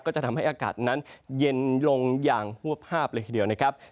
จะทำให้อากาศนั้นเย็นลงอย่างฮวบภาพเลยทีเดียวนะครับ